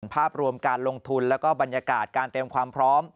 ภาพรวมการลงทุนแล้วก็บรรยากาศการเตรียมความพร้อม